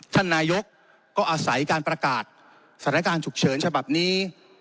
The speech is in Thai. ท่านนายกก็อาศัยการประกาศสถานการณ์ฉุกเฉินฉบับนี้